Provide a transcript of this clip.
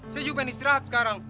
saya juga pengen istirahat sekarang